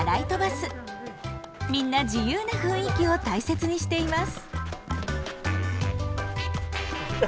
みんな自由な雰囲気を大切にしています。